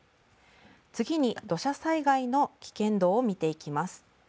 次に土砂災害の危険度を見ていきます。